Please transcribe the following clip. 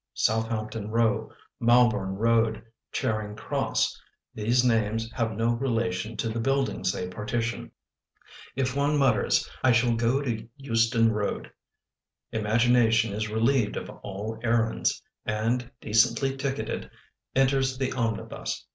Southampton Row, Malborne Road, Charing Cross — These names have no relation To the buildings they partition If one mutters, " I shall go to Euston Road/ 9 Imagination is relieved of all errands And, decently ticketed, enters the omnibus.